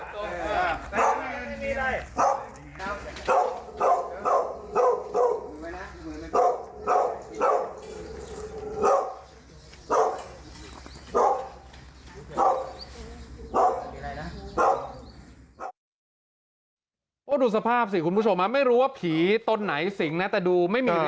ดูสภาพสิคุณผู้ชมไม่รู้ว่าผีตนไหนสิงนะแต่ดูไม่มี